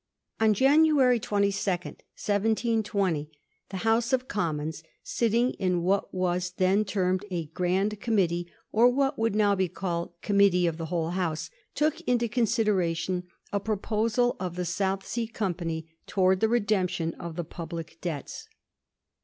On January 22, 1720, the House of Commons, sitting in what was then termed a Grand Committee, or what would now be called Committee of the whole House, took into consideration a proposal of the South Sea Company towards the redemption of the public debts.